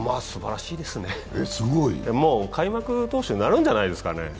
すばらしいですね、開幕投手になるんじゃないですかね。